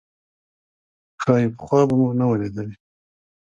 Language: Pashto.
ښايي پخوا به مو نه وه لیدلې.